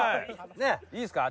いいですね！